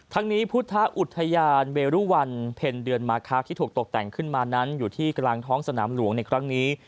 ทั้งนี้พุทธอุทยานเวรุวันเพ็ญเดือนมาคะที่ถูกตกแต่งขึ้นมานั้นอยู่ที่กลางท้องสนามหลวงในครั้งนี้